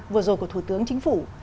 vừa rồi của thủ tướng chính phủ